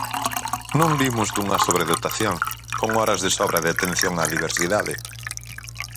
Non vimos dunha sobredotación, con horas de sobra de atención á diversidade.